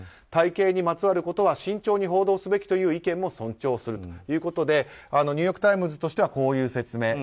体形にまつわることは慎重に報道すべきという意見も尊重するとニューヨーク・タイムズとしてはこういう説明。